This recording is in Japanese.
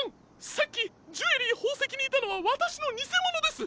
さっきジュエリーほうせきにいたのはわたしのにせものです！